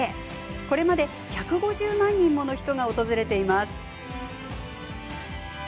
これまで１５０万人もの人が訪れています。